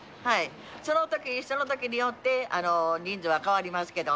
その時その時によって人数は変わりますけど。